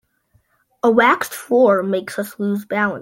A waxed floor makes us lose balance.